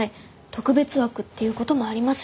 特別枠っていうこともありますし。